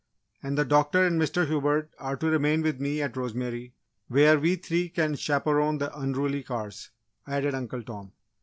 "And the doctor and Mr. Hubert are to remain with me at Rosemary where we three can chaperone the unruly cars," added Uncle Tom.